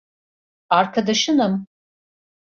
Arkadaşınım.